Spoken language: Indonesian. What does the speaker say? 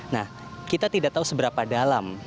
nah kita tidak tahu seberapa dalam